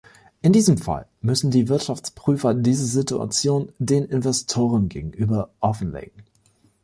In diesem Fall müssen die Wirtschaftsprüfer diese Situation den Investoren gegenüber offen legen.